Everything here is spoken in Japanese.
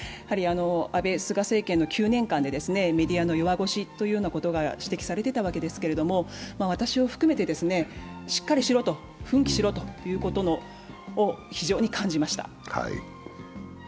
安倍・菅政権の９年間でメディアの弱腰ということが指摘をされていたわけですが、私を含めてしっかりしろと、奮起しろということを非常に感じました。